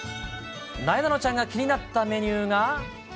なえなのちゃんが気になったメニューが。